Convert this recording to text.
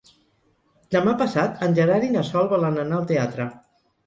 Demà passat en Gerard i na Sol volen anar al teatre.